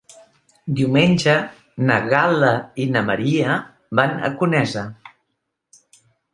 Diumenge na Gal·la i na Maria van a Conesa.